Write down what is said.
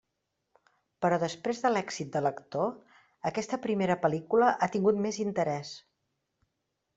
Però després de l'èxit de l'actor, aquesta primera pel·lícula ha tingut més interès.